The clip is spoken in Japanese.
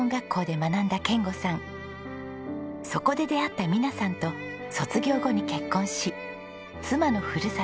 そこで出会った美奈さんと卒業後に結婚し妻のふるさと